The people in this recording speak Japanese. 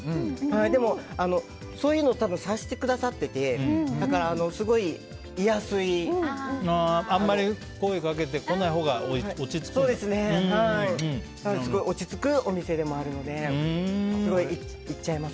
でも、そういうのを多分察してくださってて、だからあんまり声かけてこないほうがすごい落ち着くお店でもあるのですごい行っちゃいます。